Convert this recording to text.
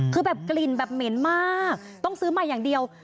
คือแบบกลิ่นแบบเหม็นมากต้องซื้อมาอย่างเดียว